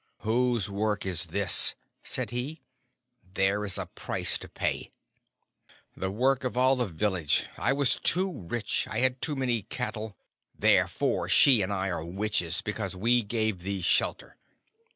"Whose work is this?" said he. "There is a price to pay." "The work of all the village. I was too rich. I had too many cattle. Therefore she and I are witches, because we gave thee shelter."